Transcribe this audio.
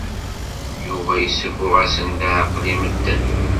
Yuba yessuffeɣ-asen leɛqel i medden.